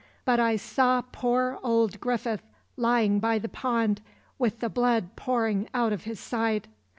But I saw poor old Griffith lying by the pond, with the blood pouring out of his side.